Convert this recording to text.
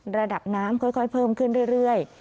ระดับน้ำค่อยเพิ่มขึ้นเรื่อย